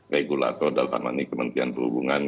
regulator dalamanik kementerian perhubungan